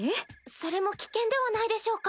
それも危険ではないでしょうか？